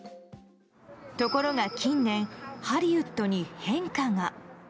ところが近年ハリウッドに変化が。